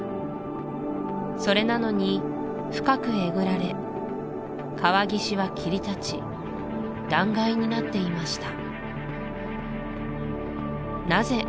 それなのに深くえぐられ川岸は切り立ち断崖になっていましたなぜ